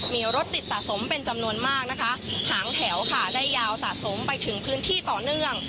มีรถติดสะสมเป็นจำนวนมากนะคะหางแถวค่ะได้ยาวสะสมไปถึงพื้นที่ต่อเนื่อง